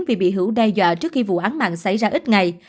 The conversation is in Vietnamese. vì bị hữu đe dọa trước khi vụ án mạng xảy ra ít ngày